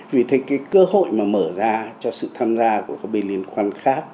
vì thế cái cơ hội mà mở ra cho sự tham gia của các bên liên quan khác